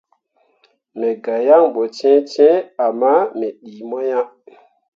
Me gah yaŋ ɓo cẽecẽe ama me ɗii mo ah.